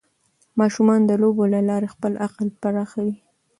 ماشومان د لوبو له لارې خپل عقل پراخوي.